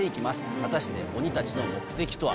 果たして鬼たちの目的とは？